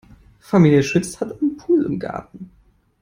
Familie Schütz hat einen Pool im Garten.